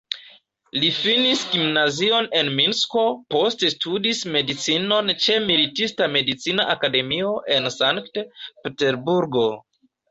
Li finis gimnazion en Minsko, poste studis medicinon ĉe Militista-Medicina Akademio en Sankt-Peterburgo.